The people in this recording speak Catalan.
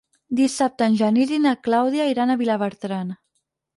Dissabte en Genís i na Clàudia iran a Vilabertran.